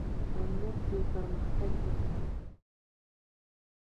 امنیت کې پرمختګ دی